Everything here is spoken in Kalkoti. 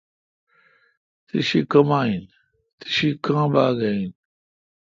تی شی کما این؟ تی شی کا ں باگہ این۔